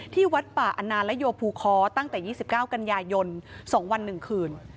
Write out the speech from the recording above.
วัดป่าอนาและโยภูคอตั้งแต่๒๙กันยายน๒วัน๑คืน